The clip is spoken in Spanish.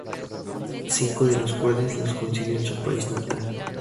Cinco de los cuales los consiguió en su país natal.